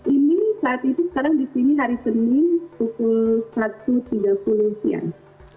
ini saat itu sekarang di sini hari senin pukul satu tiga puluh siang